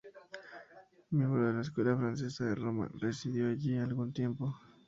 Miembro de la Escuela Francesa de Roma, residió allí algún tiempo.